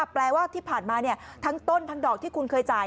แปลว่าที่ผ่านมาทั้งต้นทั้งดอกที่คุณเคยจ่าย